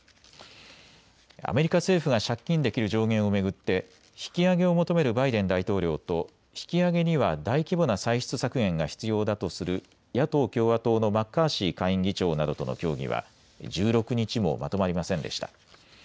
アメリカ政府が借金できる上限を巡って引き上げを求めるバイデン大統領と引き上げには大規模な歳出削減が必要だとする野党・共和党のマッカーシー下院議長などとの協議は１６日もまとまりませんでした。